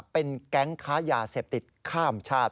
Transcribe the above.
เป็นแก๊งค้ายาเสพติดข้ามชาติ